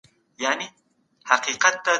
ایا د لمر وړانګې د هډوکو د کلکوالي لپاره حیاتي دي؟